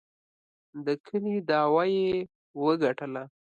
د کلي دعوه یې وګټله.